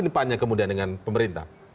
depannya kemudian dengan pemerintah